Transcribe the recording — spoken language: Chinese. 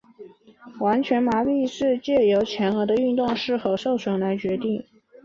完全麻痹是藉由前额的运动是否有受损来决定。